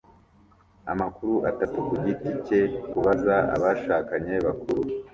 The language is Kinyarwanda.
Amakuru atatu kugiti cye kubaza abashakanye bakuru